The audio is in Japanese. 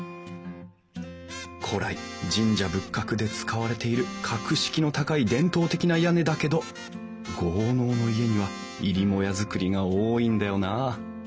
古来神社仏閣で使われている格式の高い伝統的な屋根だけど豪農の家には入母屋造りが多いんだよなあ。